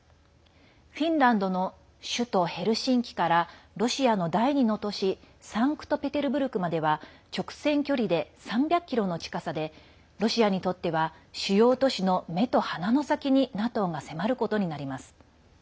フィンランドの首都ヘルシンキからロシアの第２の都市サンクトペテルブルクまでは直線距離で３００ｋｍの近さでロシアにとっては主要都市の目と鼻の先にＮＡＴＯが迫ることになります。